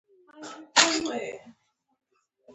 د زړه و زړه لار ده.